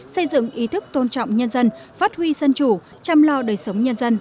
xây dựng ý thức tôn trọng nhân dân phát huy dân chủ chăm lo đời sống nhân dân